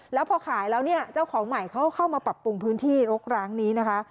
แล้วพอขายแล้วเนี่ยเจ้าของใหม่เขาเข้ามาปรับปรุงพื้นที่รกร้างนี้นะคะ